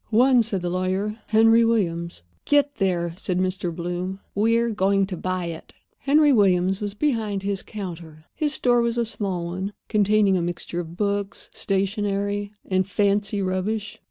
"One," said the lawyer. "Henry Williams's." "Get there," said Mr. Bloom. "We're going to buy it." Henry Williams was behind his counter. His store was a small one, containing a mixture of books, stationery, and fancy rubbish.